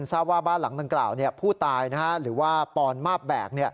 ทราบว่าบ้านหลังดังกล่าวผู้ตายหรือว่าปอนมาบแบก